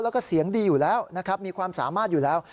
แล้วก็เสียงดีอยู่แล้วนะครับมีความสามารถอยู่แล้ว